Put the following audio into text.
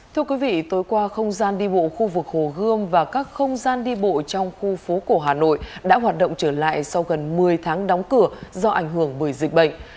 thưa quý vị tối qua không gian đi bộ khu vực hồ gươm và các không gian đi bộ trong khu phố cổ hà nội đã hoạt động trở lại sau gần một mươi tháng đóng cửa do ảnh hưởng bởi dịch bệnh